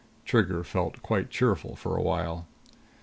Trigger felt quite cheerful for a while.